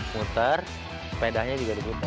muter sepedanya juga di putar